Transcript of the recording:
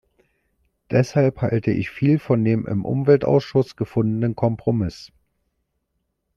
Deshalb halte ich viel von dem im Umweltausschuss gefundenen Kompromiss.